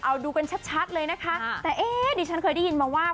เอาดูกันชัดเลยนะคะแต่เอ๊ะดิฉันเคยได้ยินมาว่า